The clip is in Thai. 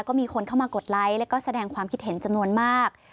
ก็มีคนเข้ามากดไลค์แล้วก็แสดงความคิดเห็นจำนวนมาก